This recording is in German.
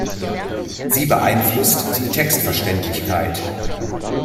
Sie beeinflusst die Textverständlichkeit.